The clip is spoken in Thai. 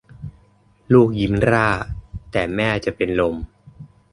ลูกยิ้มร่า แต่แม่จะเป็นลม